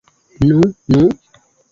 Nu, nu?